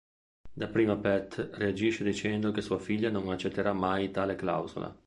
Dapprima Pat reagisce dicendo che sua figlia non accetterà mai tale clausola.